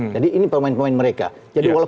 jadi ini pemain pemain mereka